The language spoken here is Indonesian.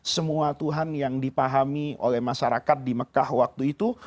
semua tuhan yang dipahami oleh masyarakat di mekah waktu itu